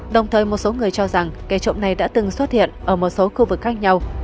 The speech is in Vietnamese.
đồng thời một số người cho rằng cây trộm này đã từng xuất hiện ở một số khu vực khác nhau